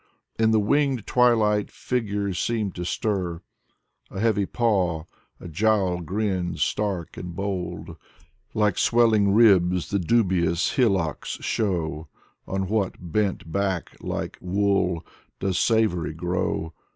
In the winged twilight figures seem to stir: A heavy paw, a jowl grins stark and bold, Like swelling ribs the dubious hillocks show ; On what bent back, like wool, does savory grow